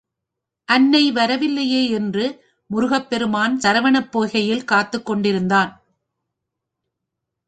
அன்னை வரவில்லையே என்று முருகப் பெருமான் சரவணப் பொய்கையில் காத்துக் கொண்டிருந்தான்.